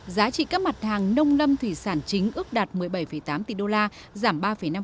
giá trị các mặt hàng nông lâm thủy sản chính ước đạt một mươi bảy tám tỷ đô la giảm ba năm